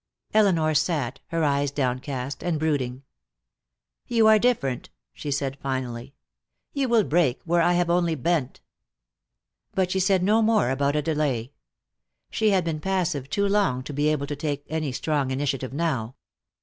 Elinor sat, her eyes downcast and brooding. "You are different," she said finally. "You will break, where I have only bent." But she said no more about a delay. She had been passive too long to be able to take any strong initiative now.